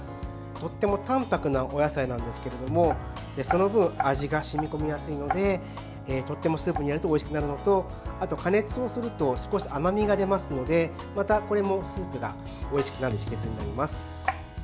とってもたんぱくなお野菜なんですけれどもその分、味が染み込みやすいのでとってもスープになるとおいしくなるのと、加熱をすると少し甘みが出ますのでまたこれもスープがおいしくなる秘けつになります。